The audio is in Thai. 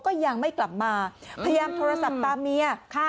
ก็ยังไม่กลับมาพยายามโทรศัพท์ตามเมีย